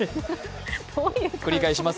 繰り返します。